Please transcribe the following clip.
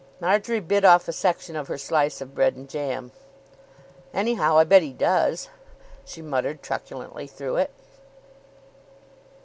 Marjory bit off a section of her slice of bread and jam. "Anyhow, I bet he does," she muttered truculently through it.